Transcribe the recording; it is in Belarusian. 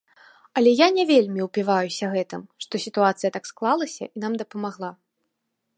Але я не вельмі ўпіваюся гэтым, што сітуацыя так склалася і нам дапамагла.